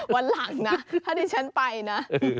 วันหลังนะถ้าดิฉันไปนะ